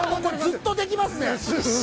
◆ずっとできますね。